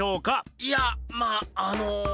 いやまあの。